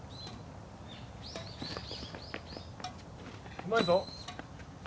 うまいぞ。